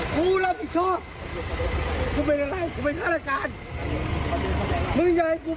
คุณมันราชิการรักนี้ไหมคันราชิการรักใหญ่หรอ